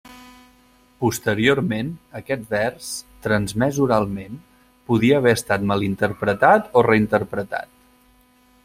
Posteriorment, aquest vers, transmès oralment, podia haver estat malinterpretat o reinterpretat.